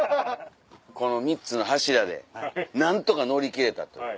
この３つの柱で何とか乗り切れたと。